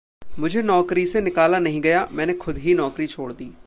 मुझे नौकरी से निकाला नहीं गया। मैंने खुद ही नौकरी छोड़ दी।